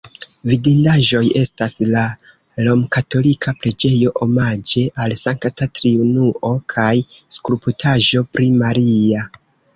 Vidindaĵoj estas la romkatolika preĝejo omaĝe al Sankta Triunuo kaj skulptaĵo pri Maria.